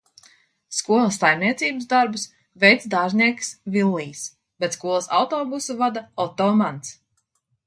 Skolas saimniecības darbus veic Dārznieks Villijs, bet skolas autobusu vada Oto Mans.